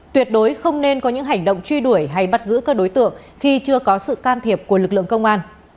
tuyệt đối không nên có những hành động truy đuổi hay bắt giữ các đối tượng khi chưa có sự can thiệp của lực lượng công an